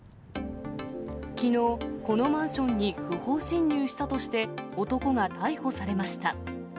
きのう、このマンションに不法侵入したとして、男が逮捕されました。